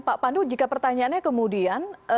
pak pandu jika pertanyaannya kemudian